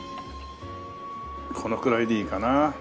このくらいでいいかな。